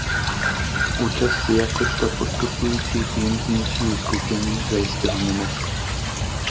Účast si jakožto postupující tým z nižší skupiny zajistilo Německo.